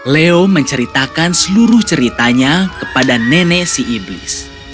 leo menceritakan seluruh ceritanya kepada nenek si iblis